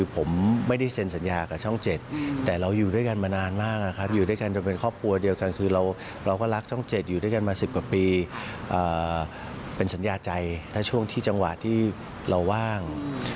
เป็นสัญญาใจถ้าช่วงที่จังหวะที่เราว่าง